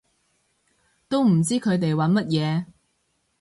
都唔知佢哋玩乜嘢